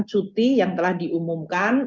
cuti yang telah diumumkan